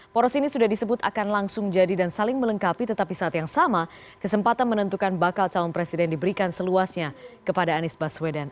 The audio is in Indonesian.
poros ini sudah disebut akan langsung jadi dan saling melengkapi tetapi saat yang sama kesempatan menentukan bakal calon presiden diberikan seluasnya kepada anies baswedan